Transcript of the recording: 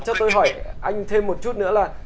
cho tôi hỏi anh thêm một chút nữa là